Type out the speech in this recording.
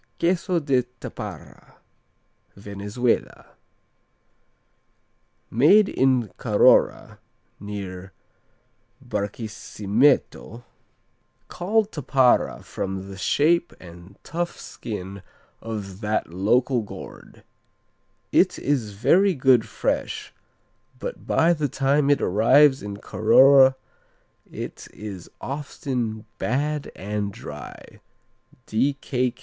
Queso de Tapara Venezuela Made in Carora, near Barqisimeto, called tapara from the shape and tough skin of that local gourd. "It is very good fresh, but by the time it arrives in Carora it is often bad and dry."